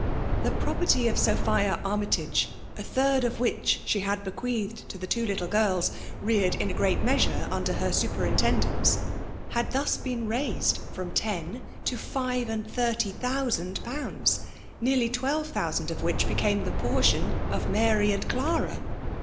The property of Sophia Armytage^ a third of which she had bequeathed to the two little girls reared in a gretd measure under her superintendence, had thus been raised from ten to five and thirty thousand pounds ; nearly twelve thousand of which became the portion of Mary and Clara.